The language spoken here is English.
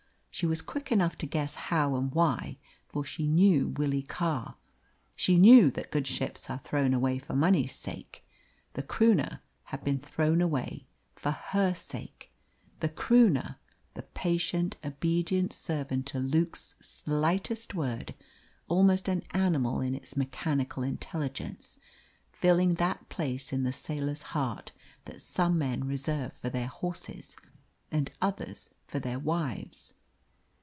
She was quick enough to guess how and why, for she knew Willie Carr. She knew that good ships are thrown away for money's sake. The Croonah had been thrown away for her sake the Croonah, the patient, obedient servant to Luke's slightest word, almost an animal in its mechanical intelligence, filling that place in the sailor's heart that some men reserve for their horses and others for their wives.